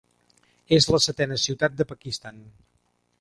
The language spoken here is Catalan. És la setena ciutat de Pakistan.